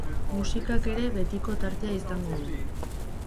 Musikak ere betiko tartea izango du.